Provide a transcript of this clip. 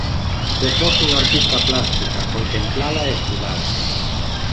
Se fose unha artista plástica, contemplala e estudala.